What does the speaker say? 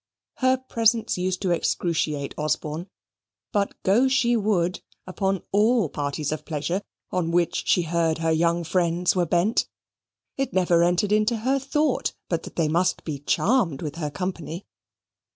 Her presence used to excruciate Osborne; but go she would upon all parties of pleasure on which she heard her young friends were bent. It never entered into her thought but that they must be charmed with her company.